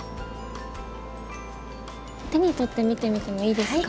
手に取って見てみてもいいですか？